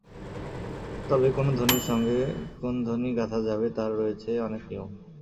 তবে কোন ধ্বনির সঙ্গে কোন ধ্বনি গাঁথা যাবে, তার রয়েছে অনেক নিয়ম।